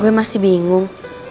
gue masih bingung